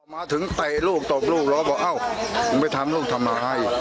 มาถึงเตะลูกตบลูกแล้วก็บอกเอ้ามึงไปทำลูกทำไม